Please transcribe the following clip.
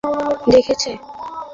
আল্লাহ বলেন, তা কি তারা দেখেছে?